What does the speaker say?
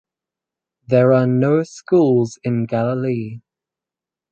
There are no schools in Galilee.